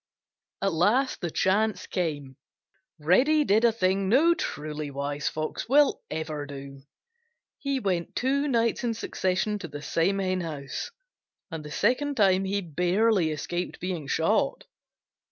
At last the chance came. Reddy did a thing no truly wise Fox ever will do. He went two nights in succession to the same henhouse, and the second time he barely escaped being shot.